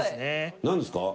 何ですか？